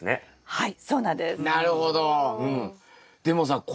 はい。